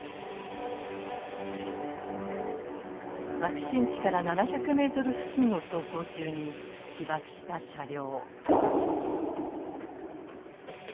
爆心地から７００ｍ付近を走行中に被爆した車両。